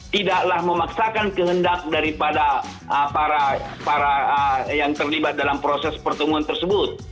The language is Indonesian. tidaklah memaksakan kehendak daripada para yang terlibat dalam proses pertemuan tersebut